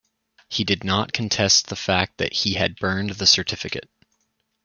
He did not contest the fact that he had burned the certificate.